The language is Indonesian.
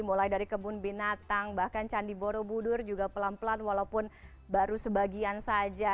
mulai dari kebun binatang bahkan candi borobudur juga pelan pelan walaupun baru sebagian saja